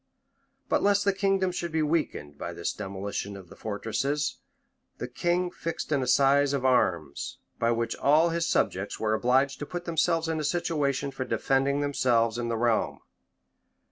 [] But lest the kingdom should be weakened by this demolition of the fortresses, the king fixed an assize of arms, by which all his subjects were obliged to put themselves in a situation for defending themselves and the realm.